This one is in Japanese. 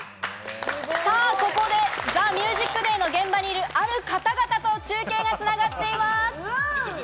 ここで『ＴＨＥＭＵＳＩＣＤＡＹ』の電話にいる、ある方々と中継が繋がっています。